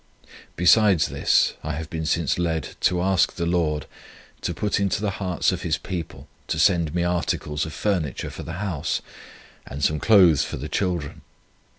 Besides this, I have been since led to ask the Lord, to put into the hearts of His people to send me articles of furniture for the house, and some clothes for the children.